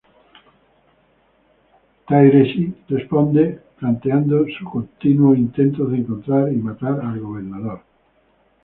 Tyreese responde planteando sus continuos intentos de encontrar y matar al Gobernador.